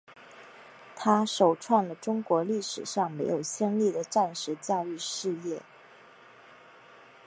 它首创了中国历史上没有先例的战时教育事业。